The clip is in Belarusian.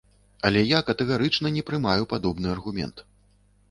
Але я катэгарычна не прымаю падобны аргумент.